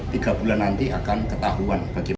tiga bulan nanti akan ketahuan